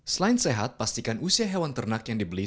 selain sehat pastikan usia hewan ternak yang dibeli